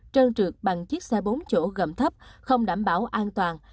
trơn trượt bằng chiếc xe bốn chỗ gầm thấp không đảm bảo an toàn